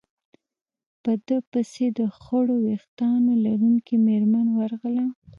په ده پسې د خړو ورېښتانو لرونکې مېرمن ورغله.